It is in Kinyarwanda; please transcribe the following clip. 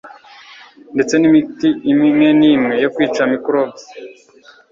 ndetse n'imiti imwe n'imwe yo kwica 'microbes